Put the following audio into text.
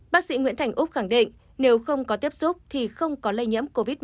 bác sĩ nguyễn thành úc khẳng định nếu không có tiếp xúc thì không có lây nhiễm covid một mươi chín